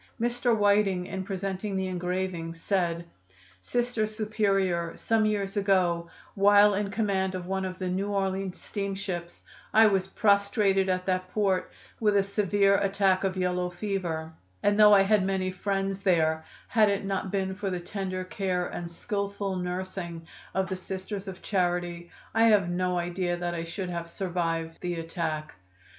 Mr. Whiting, in presenting the engraving, said: "'Sister Superior, some years ago, while in command of one of the New Orleans steamships, I was prostrated at that port with a severe attack of yellow fever, and though I had many friends there, had it not been for the tender care and skillful nursing of the Sisters of Charity, I have no idea that I should have survived the attack.